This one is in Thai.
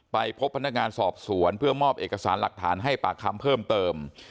ไปพบพนักงานสอบสวนเพื่อมอบเอกสารหลักฐานให้ปากคำเพิ่มเติม